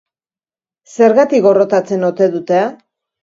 Zergatik gorrotatzen ote dute?